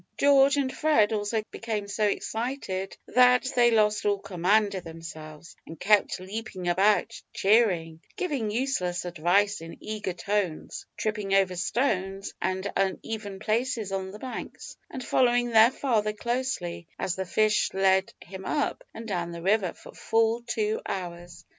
George and Fred also became so excited that they lost all command of themselves, and kept leaping about, cheering, giving useless advice in eager tones, tripping over stones and uneven places on the banks, and following their father closely, as the fish led him up and down the river for full two hours.